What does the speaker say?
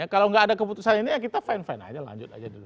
kalau nggak ada keputusan ini ya kita fine fine aja lanjut aja dulu